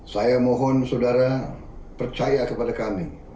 saya mohon saudara percaya kepada kami